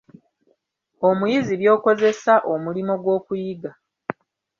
Omuyizi By'akozesa omulimo gw'okuyiga.